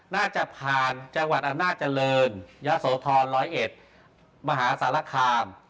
น่าจะผ่านจังหวัดอันน่าเจริญยาโสทรร้อยเอ็ดมหาศรฐรคาม